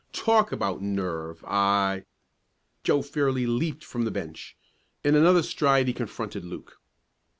Talk about nerve, I " Joe fairly leaped from the bench. In another stride he confronted Luke.